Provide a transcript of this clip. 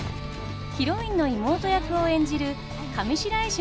ヒロインの妹役を演じる上白石